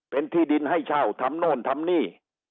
เป็นที่ดินให้เช่าทำโน่นทำนี่